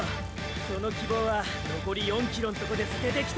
その希望は残り４ｋｍんとこで捨ててきた。